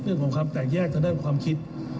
เรื่องของความแตกแยกนั่นแน่นความคิด